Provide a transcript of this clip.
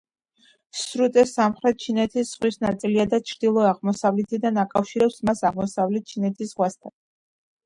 სრუტე სამხრეთ ჩინეთის ზღვის ნაწილია და ჩრდილო-აღმოსავლეთიდან აკავშირებს მას აღმოსავლეთ ჩინეთის ზღვასთან.